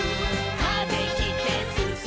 「風切ってすすもう」